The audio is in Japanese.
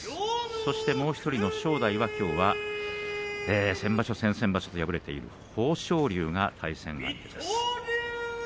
そしてもう１人の大関、正代は先場所、先々場所と敗れている豊昇龍が対戦相手です。